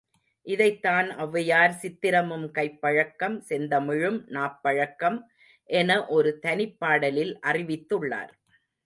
இதைத்தான் ஒளவையார், சித்திரமும் கைப்பழக்கம் செந்தமிழும் நாப்பழக்கம் என ஒரு தனிப்பாடலில் அறிவித்துள்ளார்.